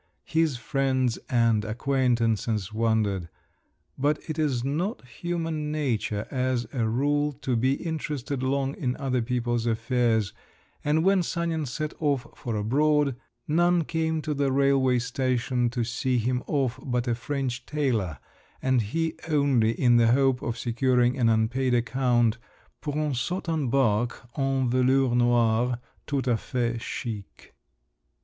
His friends and acquaintances wondered; but it is not human nature as a rule to be interested long in other people's affairs, and when Sanin set off for abroad, none came to the railway station to see him off but a French tailor, and he only in the hope of securing an unpaid account "pour un saute en barque en velours noir tout à fait chic."